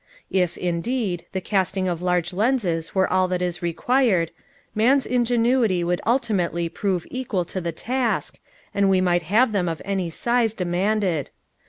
If, indeed, the casting of large lenses were all that is required, man's ingenuity would ultimately prove equal to the task, and we might have them of any size demanded.